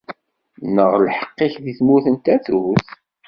Neɣ lḥeqq-ik di tmurt n tatut?